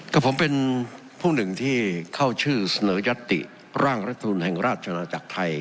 กับผมเป็นผู้หนึ่งที่เข้าชื่อเสนอยัตติร่างรัฐมนุนแห่งราชนาจักรไทย